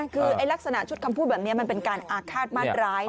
คือลักษณะชุดคำพูดแบบนี้มันเป็นการอาฆาตมัดร้าย